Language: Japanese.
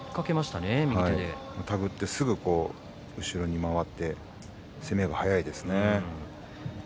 たぐってすぐ後ろに回って、攻めが速いですね。